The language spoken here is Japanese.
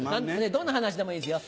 どんな話でもいいですよ。